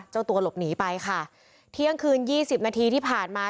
เจ้าตัวหลบหนีไปค่ะเที่ยงคืนยี่สิบนาทีที่ผ่านมา